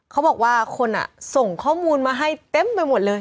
เขาบอกว่าคนส่งข้อมูลมาให้เต็มไปหมดเลย